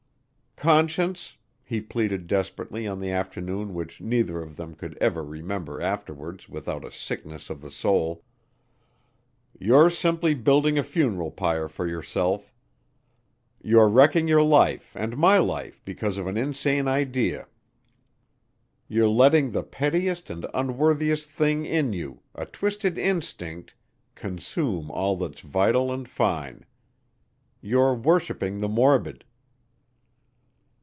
"Conscience," he pleaded desperately on the afternoon which neither of them could ever remember afterwards without a sickness of the soul, "you're simply building a funeral pyre for yourself. You're wrecking your life and my life because of an insane idea. You're letting the pettiest and unworthiest thing in you a twisted instinct consume all that's vital and fine. You're worshiping the morbid."